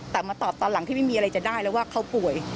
แต่มาตอบตอนหลังที่ไม่มีอะไรจะได้แล้วว่าเขาป่วย